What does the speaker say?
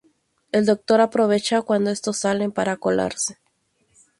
El Doctor aprovecha cuando estos salen para colarse.